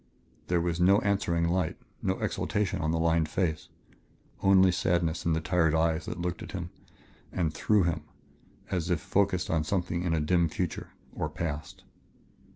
There was no answering light, no exaltation on the lined face. Only sadness in the tired eyes that looked at him and through him as if focused upon something in a dim future or past.